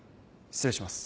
失礼します。